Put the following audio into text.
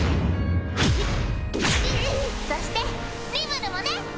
・そしてリムルもね！